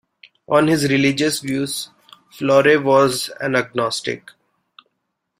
On his religious views, Florey was an agnostic.